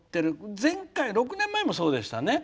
前回、６年前もそうでしたね。